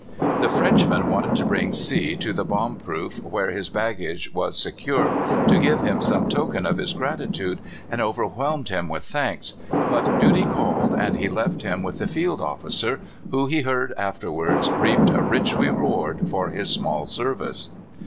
The Frenchman wanted to bring C to the bomb proof, where his baggage was secured, to give him some tokens of his gratitude, and overwhelmed him with thanks; but duty called, and he left him with the field officer, who, he heard afterwards, reaped a rich reward for his small service.